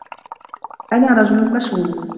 أنا رجل مشغول.